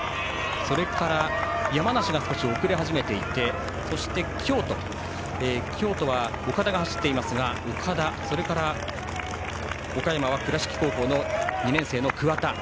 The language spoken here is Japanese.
それから、山梨が少し遅れ始めていてそして、京都は岡田が走っていますが岡山は倉敷高校２年生の桑田。